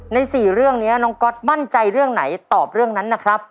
๔เรื่องนี้น้องก๊อตมั่นใจเรื่องไหนตอบเรื่องนั้นนะครับ